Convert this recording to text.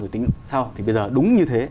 rồi tính sau thì bây giờ đúng như thế